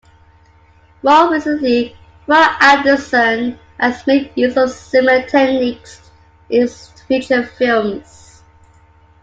More recently, Roy Andersson has made use of similar techniques in his feature films.